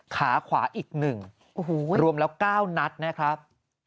ขาขวาอีก๑รวมแล้ว๙นัดนะครับ